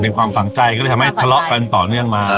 ความฝังใจก็เลยทำให้ทะเลาะกันต่อเนื่องมา